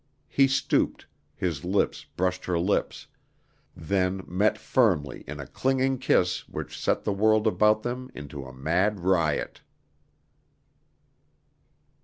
He stooped, his lips brushed her lips; then met firmly in a clinging kiss which set the world about them into a mad riot.